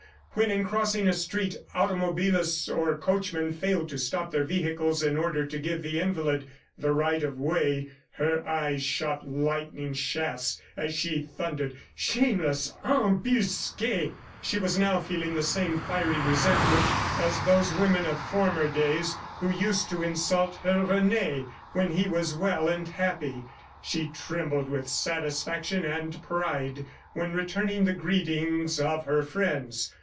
When, in crossing a street, automobilists or coachmen failed to stop their vehicles in order to give the invalid the right of way, her eyes shot lightning shafts, as she thundered, "Shameless embusques!" ... She was now feeling the same fiery resentment as those women of former days who used to insult her Rene when he was well and happy. She trembled with satisfaction and pride when returning the greetings of her friends.